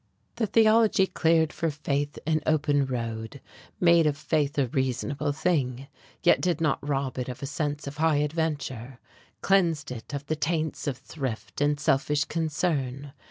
That theology cleared for faith an open road, made of faith a reasonable thing, yet did not rob it of a sense of high adventure; cleansed it of the taints of thrift and selfish concern.